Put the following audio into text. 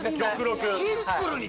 シンプルに